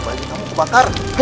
bagi kamu kebakar